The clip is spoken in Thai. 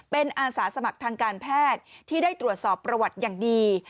เป็นอาสาสมัครทางการแพทย์ที่ได้ตรวจสอบประวัติอย่างดี